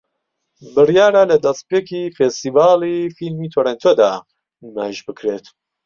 بڕیارە لە دەستپێکی فێستیڤاڵی فیلمی تۆرێنتۆ دا نمایش بکرێت